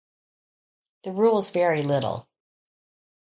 The rules vary little.